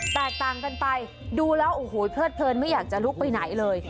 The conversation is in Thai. แตกต่างกันไปดูแล้วโอ้โหเพลิดเพลินไม่อยากจะลุกไปไหนเลย